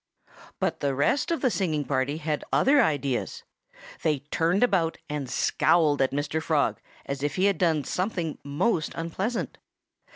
But the rest of the singing party had other ideas. They turned about and scowled at Mr. Frog as if he had done something most unpleasant.